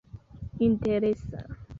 interesa